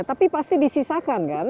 tapi pasti disisakan kan